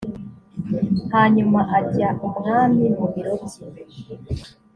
hanyuma ajya umwami mu biro bye